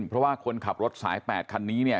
เพราะว่าคนขับรถสาย๘คันนี้เนี่ย